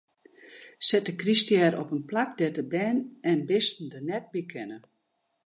Set de kryststjer op in plak dêr't bern en bisten der net by kinne.